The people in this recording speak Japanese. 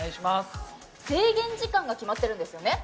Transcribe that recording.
制限時間が決まっているんですよね？